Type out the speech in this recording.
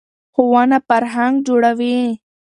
ښوونه فرهنګ جوړوي.